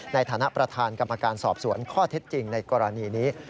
ในฐานะประธานกรรมการสอบสวนข้อเท็จจริงในกรณีนี้